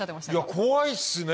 怖いっすね。